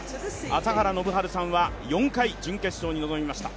朝原宣治さんは４回、準決勝に臨みました。